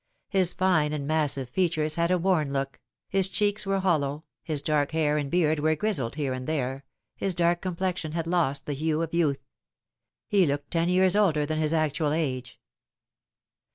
His fine and massive features had a worn look, his cheeks were hollow, his dark hair and beard were grizzled here and there, his dark complexion had lost the hue of youth. He looked ten years older than his actual age.